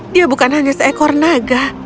dia bukan hanya seekor naga